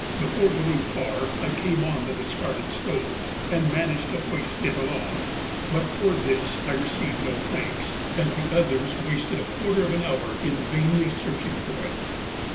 Before going far I came on the discarded stove, and managed to hoist it along; but for this I received no thanks, as the others wasted a quarter of an hour in vainly searching for it.